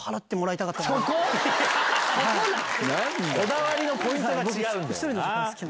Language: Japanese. こだわりのポイントが違うんだよな。